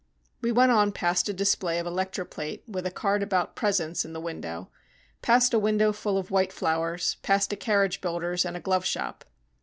We went on past a display of electroplate with a card about presents in the window, past a window full of white flowers, past a carriage builder's and a glove shop.